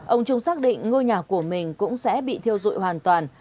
ông trung xác định ngôi nhà của mình cũng sẽ bị thiêu dụi hoàn toàn